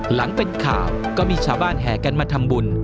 หลังเป็นข่าวก็มีชาวบ้านแห่กันมาทำบุญ